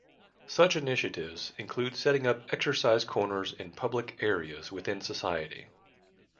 Such initiatives include setting up exercise corners in public areas within society.